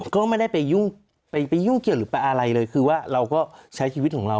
ก็ไม่ได้ไปยุ่งไปยุ่งเกี่ยวหรือไปอะไรเลยคือว่าเราก็ใช้ชีวิตของเรา